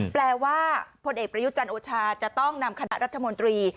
แปลว่าพลเอกประยุจันทร์โอชาจะต้องนำคณะรัฐมนตรี